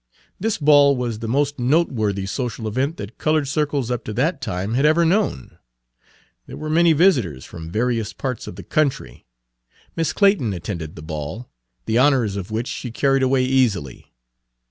This ball was the most noteworthy social event that colored circles up to that time had ever known. There were many visitors from various parts of the country. Miss Clayton attended the ball, the honors of which she carried away easily.